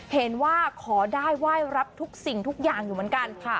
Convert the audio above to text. เห็นว่าขอได้ไหว้รับทุกสิ่งทุกอย่างอยู่เหมือนกัน